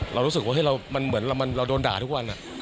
เรารู้สึกว่ามันเหมือนเราโดนด่าทุกวัน